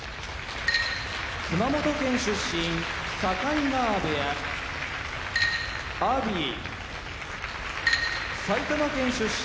熊本県出身境川部屋阿炎埼玉県出身